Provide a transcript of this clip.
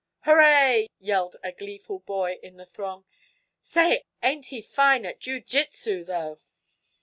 "Hooray!" yelled a gleeful boy in the throng. "Say, ain't he fine at jiu jitsu, though?"